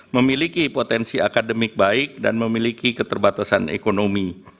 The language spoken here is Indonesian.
memiliki potensi akademik baik dan memiliki keterbatasan ekonomi